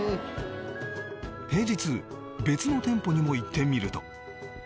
平日別の店舗にも行ってみると